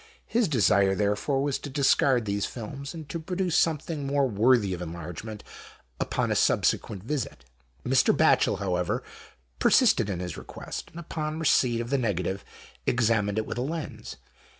His desire, therefore, was to discard these films, and to produce something more worthy of enlargement, upon a subsequent visit. Mr. Batchel, however, persisted in his request, and upon receipt of the negative, examined it with a lens.